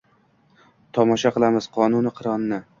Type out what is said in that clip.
Tamosho qilamiz qonu qironni.